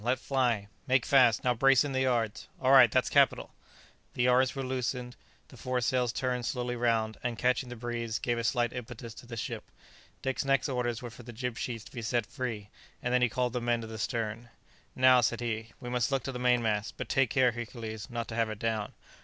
let fly! make fast! now brace in the yards! all right! that's capital!" The yards were loosened, the foresails turned slowly round, and, catching the breeze, gave a slight impetus to the ship. Dick's next orders were for the jib sheets to be set free, and then he called the men to the stern. "Now," said he; "we must look to the main mast; but take care, Hercules, not to have it down."